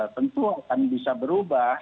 tentu kami bisa berubah